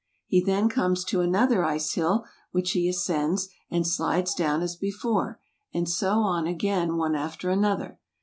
He then comes to another ice hill, which he ascends, and slides down as before; and so on again, one after ano¬ ther.